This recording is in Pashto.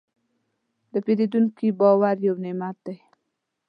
د پیرودونکي باور یو نعمت دی.